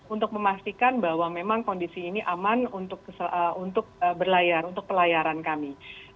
untuk memastikan bahwa memang kondisi ini aman untuk berlayar untuk pelayaran kami